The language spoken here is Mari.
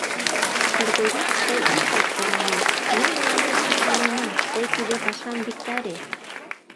Кыргорий, тый ит аптыране, ме тыланет ӱшанена, тый тиде пашам виктаре!»